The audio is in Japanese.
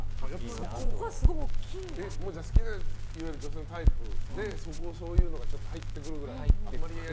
じゃあ、いわゆる好きな女性のタイプでそういうのがちょっと入ってるぐらい。